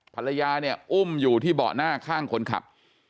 ภรรยาเนี่ยอุ้มอยู่ที่เบาะหน้าข้างคนขับ